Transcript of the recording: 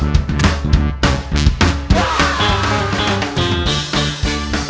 yang punya keces keces keces